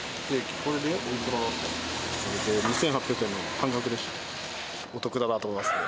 これで２８００円が半額でした。